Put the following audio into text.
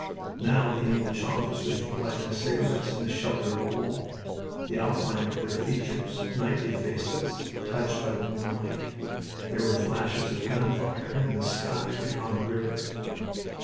Now the English officers were lighting cigarettes in the shelter of a wall, the outline of their features knightly faces touched by the moonlight. There were flashes of gun fire in the sky beyond the river.